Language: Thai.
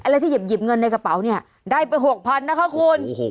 แล้วที่หยิบเงินในกระเป๋าได้ไป๖๐๐๐บาทนะคะคุณ